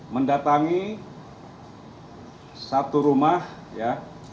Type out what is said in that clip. mendatangi satu rumah ya